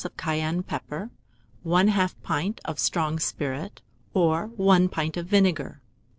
of cayenne pepper, 1/2 pint of strong spirit, or 1 pint of vinegar.